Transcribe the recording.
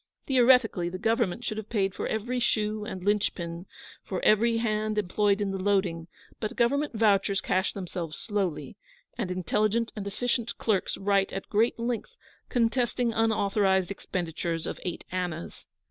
Theoretically, the Government should have paid for every shoe and linchpin, for every hand employed in the loading; but Government vouchers cash themselves slowly, and intelligent and efficient clerks write at great length, contesting unauthorised expenditures of eight annas.